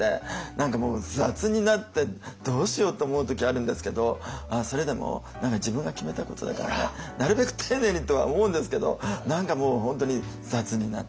何かもう雑になってどうしようって思う時あるんですけどそれでも何か自分が決めたことだからねなるべく丁寧にとは思うんですけど何かもう本当に雑になっちゃう。